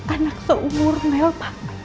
anak seumur mel pak